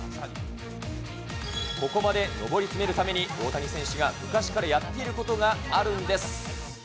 ここまで上り詰めるために大谷選手が昔からやっていることがあるんです。